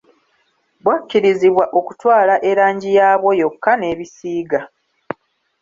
Bwakkirizibwa okutwala erangi yaabwo yokka n'ebisiiga.